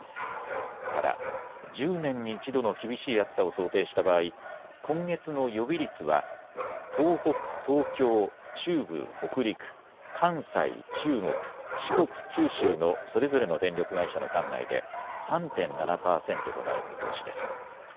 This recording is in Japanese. ただ１０年に１度の厳しい暑さを想定した場合、今月の予備率は東北、東京、中部、北陸、関西、中国、四国、九州のそれぞれの電力会社の管内で３．７％となる見通しです。